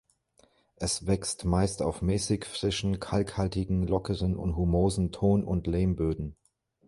Es wächst meist auf mäßig frischen, kalkhaltigen, lockeren und humosen Ton- und Lehmböden.